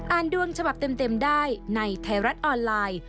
ดวงฉบับเต็มได้ในไทยรัฐออนไลน์